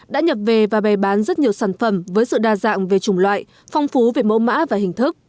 đã nhập về và bày bán rất nhiều sản phẩm với sự đa dạng về chủng loại phong phú về mẫu mã và hình thức